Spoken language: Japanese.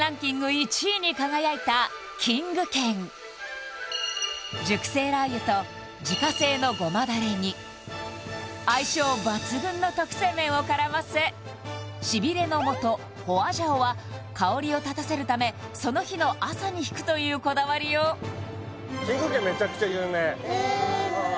１位に輝いたキング軒熟成ラー油と自家製の胡麻ダレに相性抜群の特製麺を絡ませしびれのもと花椒は香りをたたせるためその日の朝にひくというこだわりようキング軒めちゃくちゃ有名・へえ